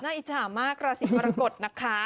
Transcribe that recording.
น่าอิจฉามากราศิพรกฎนะคะ